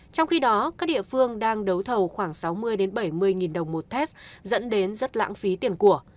trong khi đó các địa phương đang đấu thầu khoảng sáu mươi bảy mươi nghìn đồng một test dẫn đến rất lãng phí tiền của